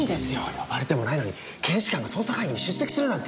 呼ばれてもないのに検視官が捜査会議に出席するなんて。